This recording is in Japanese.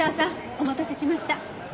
お待たせしました。